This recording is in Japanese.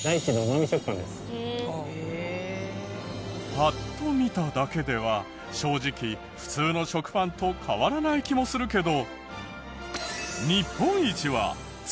パッと見ただけでは正直普通の食パンと変わらない気もするけど。